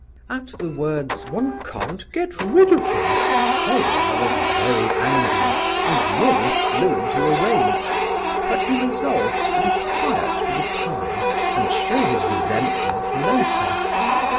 At the words "one can't get rid of him," Colia was very angry, and nearly flew into a rage; but he resolved to be quiet for the time and show his resentment later.